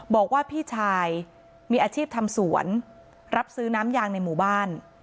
บอกว่าพี่ชายมีอาชีพทำสวนรับซื้อน้ำยางในหมู่บ้าน